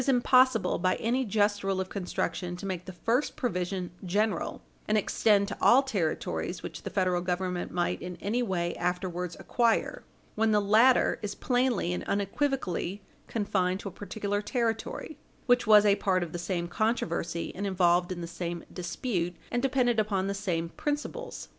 438 impossible, by any just rule of construction, to make the first provision general, and extend to all territories, which the Federal Government might in any way afterwards acquire, when the latter is plainly and unequivocally confined to a particular territory; which was a part of the same controversy, and involved in the same dispute, and depended upon the same principles.